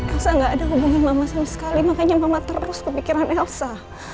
elsa gak ada hubungan mama sama sekali makanya mama terus kepikiran elsa